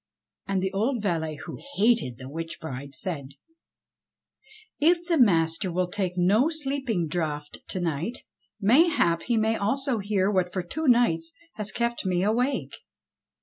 And the old valet, who hated the witch bride, said : "If the master will take no sleeping draught to night, mayhap he may also hear what for two nights has kept me awake."